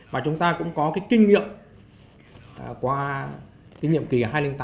và chúng ta cũng có cái kinh nghiệm qua kinh nghiệm kỳ hai nghìn tám hai nghìn chín